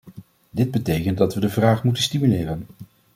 Dit betekent dat we de vraag moeten stimuleren.